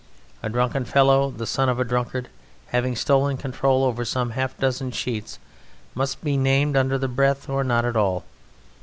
A drunken fellow, the son of a drunkard, having stolen control over some half dozen sheets, must be named under the breath or not at all.